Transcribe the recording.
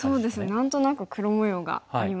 何となく黒模様がありますね。